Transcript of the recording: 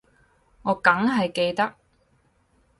我梗係記得